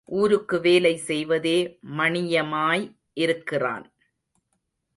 ஊருக்கு வேலை செய்வதே மணியமாய் இருக்கிறான்.